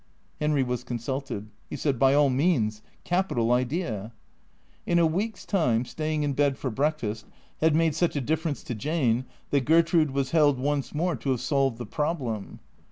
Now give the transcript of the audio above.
Henry was consulted. He said, " By all means. Capital idea." In a week's time, staying in bed for breakfast had made such a difference to Jane that Gertrude was held once more to have solved the problem.